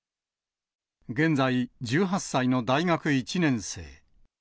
現在、１８歳の大学１年生。